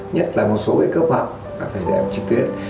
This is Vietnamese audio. nhất là một số cái cấp học phải giải học trực tuyến